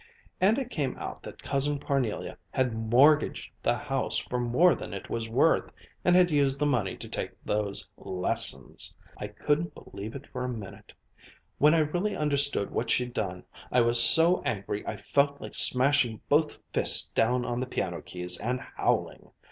And it came out that Cousin Parnelia had mortgaged the house for more than it was worth, and had used the money to take those 'lessons.' I couldn't believe it for a minute. When I really understood what she'd done, I was so angry I felt like smashing both fists down on the piano keys and howling!